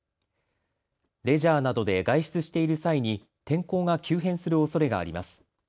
レジャーなどで外出している際に天候が急変するおそれがあります。